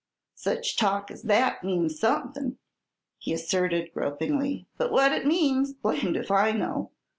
"Such talk as that means somethin'," he asserted, gropingly, "but what it means, blamed if I know!